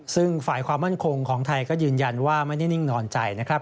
ซึ่งฝ่ายความมั่นคงของไทยก็ยืนยันว่าไม่ได้นิ่งนอนใจนะครับ